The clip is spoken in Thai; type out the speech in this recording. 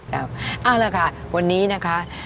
เอาละค่ะวันนี้นะคะ